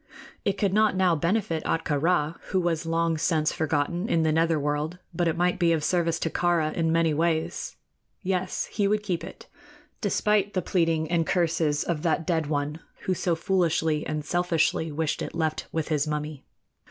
It could not now benefit Ahtka Rā, who was long since forgotten in the nether world; but it might be of service to Kāra in many ways. Yes; he would keep it, despite the pleading and curses of that dead one who so foolishly and selfishly wished it left with his mummy.